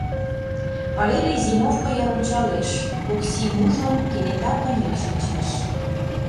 Валерий зимовко йыр ончалеш, Оксим ужын, кенета кынел шинчеш.